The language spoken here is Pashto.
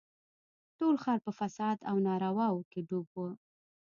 ټول ښار په فساد او نارواوو کښې ډوب و.